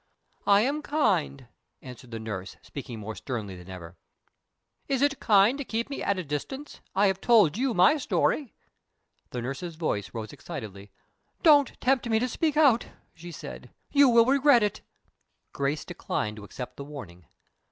"I am kind," answered the nurse, speaking more sternly than ever. "Is it kind to keep me at a distance? I have told you my story." The nurse's voice rose excitedly. "Don't tempt me to speak out," she said; "you will regret it." Grace declined to accept the warning.